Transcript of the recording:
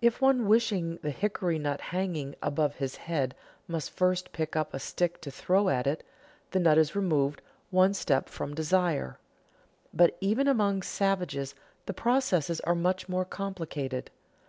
If one wishing the hickory nut hanging above his head must first pick up a stick to throw at it, the nut is removed one step from desire. But even among savages the processes are much more complicated.